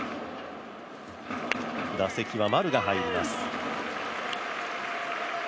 打席は丸が入ります。